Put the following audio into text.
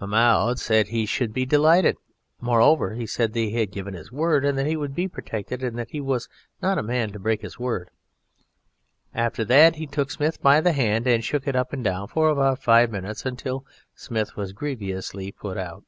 Mahmoud said he should be delighted. Moreover, he said that he had given his word that he would be protected, and that he was not a man to break his word. After that he took Smith by the hand and shook it up and down for about five minutes, until Smith was grievously put out.